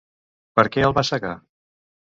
Per què el va cegar?